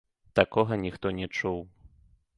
Такога ніхто не чуў!